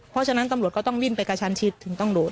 เพราะฉะนั้นตำรวจก็ต้องวิ่งไปกระชันชิดถึงต้องโดน